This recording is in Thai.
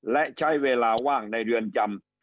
และใช้เวลาว่างในเรือนจำ